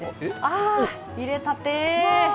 あー、入れたて。